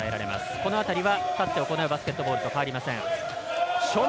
この辺りは立って行うバスケットボールと変わりません。